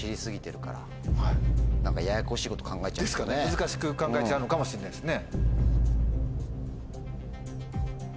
難しく考えちゃうのかもしれないですね。